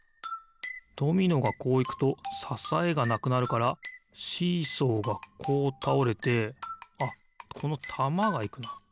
ドミノがこういくとささえがなくなるからシーソーがこうたおれてあっこのたまがいくな。